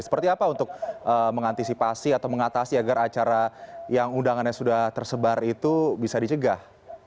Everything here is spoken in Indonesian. seperti apa untuk mengantisipasi atau mengatasi agar acara yang undangannya sudah tersebar itu bisa dicegah